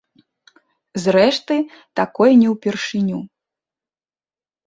Зрэшты, такое не ўпершыню.